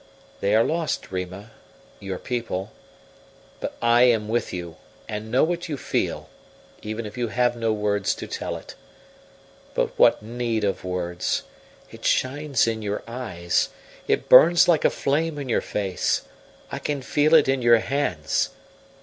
They are lost, Rima your people but I am with you, and know what you feel, even if you have no words to tell it. But what need of words? It shines in your eyes, it burns like a flame in your face; I can feel it in your hands.